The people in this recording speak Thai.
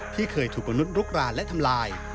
ที่เคยถูกลงนุดรุกรานและทำลาย